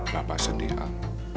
bapak sedih al